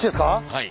はい。